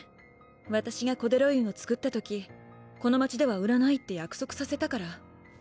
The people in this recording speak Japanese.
私がコデロインを作った時この街では売らないって約束させたから。